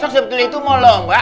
mane besok sebetulnya itu mau lomba